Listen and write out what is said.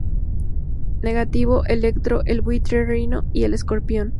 Negativo, Electro, el Buitre, Rhino y el Escorpión.